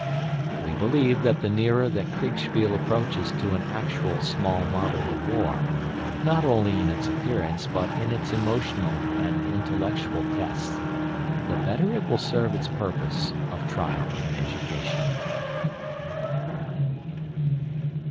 We believe that the nearer that Kriegspiel approaches to an actual small model of war, not only in its appearance but in its emotional and intellectual tests, the better it will serve its purpose of trial and education.